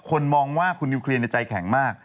คนมองว่าคุณนิวเคลียร์ในใจแข็งมาก